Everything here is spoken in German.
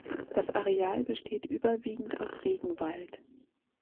Das Areal besteht überwiegend aus Regenwald.